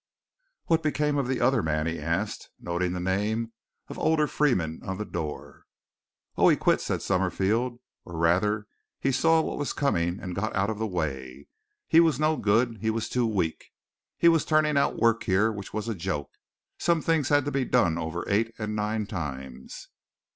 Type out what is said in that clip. "What became of the other man?" he asked, noting the name of Older Freeman on the door. "Oh, he quit," said Summerville, "or rather he saw what was coming and got out of the way. He was no good. He was too weak. He was turning out work here which was a joke some things had to be done over eight and nine times."